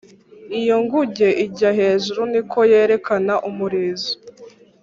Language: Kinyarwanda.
iyo inguge ijya hejuru, niko yerekana umurizo.